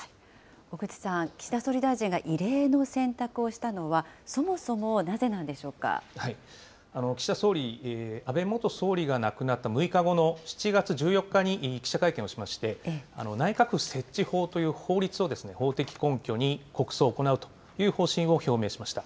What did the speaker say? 小口さん、岸田総理大臣が異例の選択をしたのは、そもそもな岸田総理、安倍元総理が亡くなった６日後の７月１４日に記者会見をしまして、内閣府設置法という法律を法的根拠に、国葬を行うという方針を表明しました。